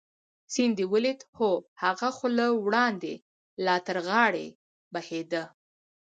سیند دې ولید؟ هو، هغه خو له وړاندې لا تر غاړې بهېده.